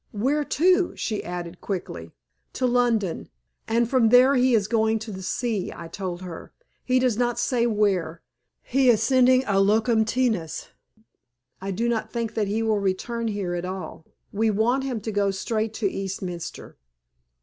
Where to?" she added, quickly. "To London, and from there he is going to the sea," I told her. "He does not say where. He is sending a locum tenens. I do not think that he will return here at all. We want him to go straight to Eastminster."